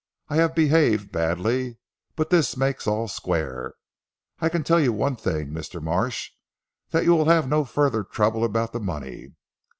I have behaved badly, but this makes all square. I can tell you one thing, Mr. Marsh, that you will have no further trouble about the money.